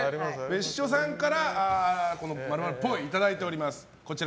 別所さんから○○っぽいいただいております。